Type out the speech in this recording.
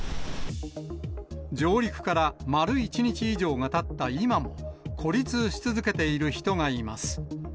上陸から丸１日以上がたった今も、孤立し続けている人がいます。